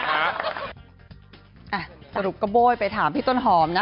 สรุปก็โบ้ยไปถามพี่ต้นหอมนะ